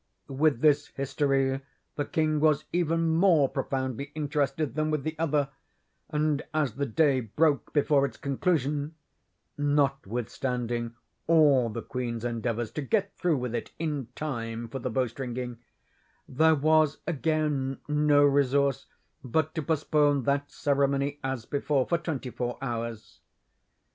With this history the king was even more profoundly interested than with the other—and, as the day broke before its conclusion (notwithstanding all the queen's endeavors to get through with it in time for the bowstringing), there was again no resource but to postpone that ceremony as before, for twenty four hours.